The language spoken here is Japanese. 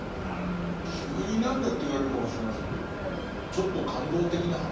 急に何だって言われるかもしれませんけどちょっと感動的な話ですね。